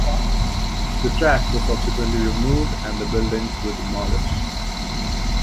The track was subsequently removed and the buildings were demolished.